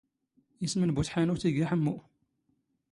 ⵉⵙⵎ ⵏ ⴱⵓ ⵜⵃⴰⵏⵓⵜ ⵉⴳⴰ ⵃⵎⵎⵓ.